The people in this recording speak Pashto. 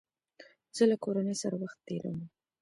زه له کورنۍ سره وخت تېرووم.